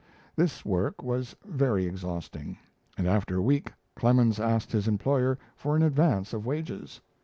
This work was very exhausting, and after a week Clemens asked his employer for an advance of wages.